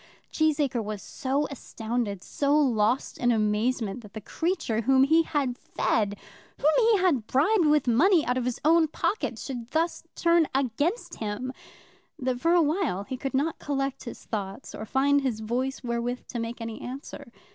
Cheesacre was so astounded, so lost in amazement that the creature whom he had fed, whom he had bribed with money out of his own pocket, should thus turn against him, that for a while he could not collect his thoughts or find voice wherewith to make any answer.